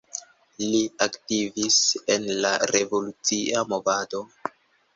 Li aktivis en la revolucia movado.